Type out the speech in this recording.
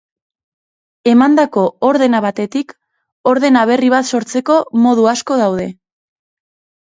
Emandako ordena batetik ordena berri bat sortzeko modu asko daude.